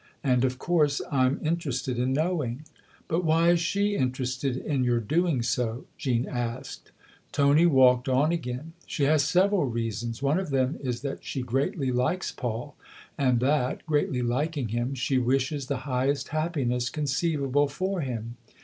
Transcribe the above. And of course I'm in terested in knowing." " But why is she interested in your doing so ?" Jean asked. Tony walked on again. " She has several reasons. One of them is that she greatly likes Paul and that, greatly liking him, she wishes the highest happiness conceivable for him.